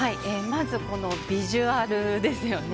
まず、このビジュアルですよね。